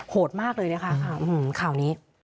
โหดมากเลยนะคะข่าวนี้